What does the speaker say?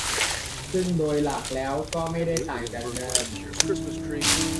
ซึ่งโดยหลักแล้วก็ไม่ได้ต่างจากเดิม